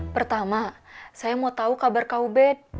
pertama saya mau tahu kabar kau bed